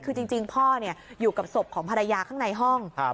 คือจริงพ่ออยู่กับศพของภรรยาข้างในห้อง